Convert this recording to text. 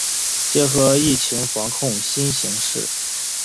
结合疫情防控新形势